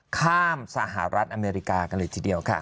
สหรัฐอเมริกากันเลยทีเดียวค่ะ